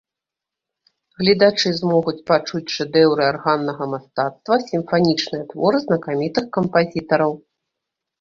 Гледачы змогуць пачуць шэдэўры арганнага мастацтва, сімфанічныя творы знакамітых кампазітараў.